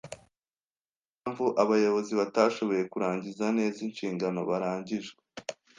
Ni yo mpamvu abayobozi batashoboye kurangiza neza inshingano baragijwe